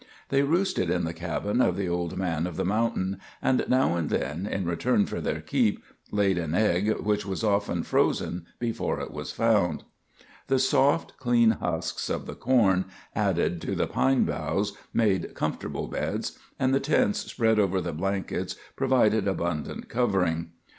They roosted in the cabin of the old man of the mountain, and now and then, in return for their keep, laid an egg, which was often frozen before it was found. [Illustration: "THE FOWLS HUNG ABOUT THE DOOR."] The soft, clean husks of the corn, added to the pine boughs, made comfortable beds, and the tents spread over the blankets provided abundant covering.